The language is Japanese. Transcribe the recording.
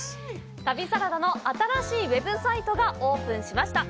旅サラダの新しいウェブサイトがオープンしました！